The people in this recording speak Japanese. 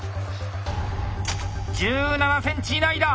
１７ｃｍ以内だ！